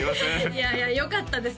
いやいやよかったです